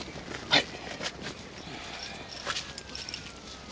はい。